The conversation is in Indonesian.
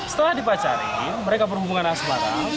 setelah dipacari mereka berhubungan asmara